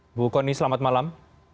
ibu kony selamat malam